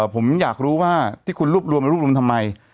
ผมอยากรู้ว่าที่คุณรวบรวมมารวบรวมทำไม